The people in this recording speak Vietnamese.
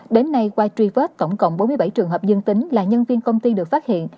đến nay qua truy vết tổng cộng bốn mươi bảy trường hợp dương tính là nhân viên công ty được phát hiện